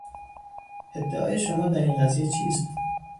ادعای شما در این قضیه چیست؟